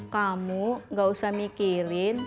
kamu gak usah mikirin